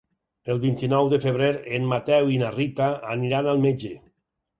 El vint-i-nou de febrer en Mateu i na Rita aniran al metge.